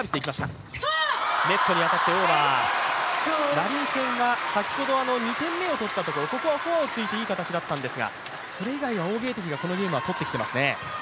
ラリー戦は先ほど２点目を取ったところ、ここはフォアを突いていい形だったんですがそれ以外は王ゲイ迪がこのゲームは取ってきていますね。